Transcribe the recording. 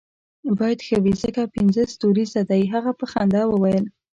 باید ښه وي ځکه پنځه ستوریزه دی، هغه په خندا وویل.